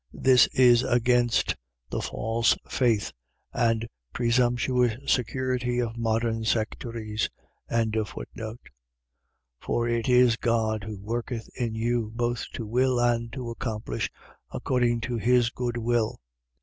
.This is against the false faith, and presumptuous security of modern sectaries. 2:13. For it is God who worketh in you, both to will and to accomplish, according to his good will.